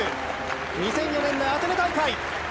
２００４年のアテネ大会。